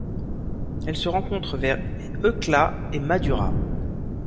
Elle se rencontre vers Eucla et Madura.